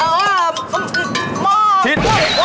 เอาเร็วพิษ